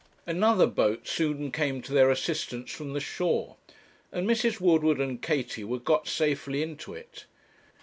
Another boat soon came to their assistance from the shore, and Mrs. Woodward and Katie were got safely into it.